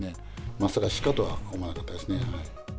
まさかシカとは思わなかったです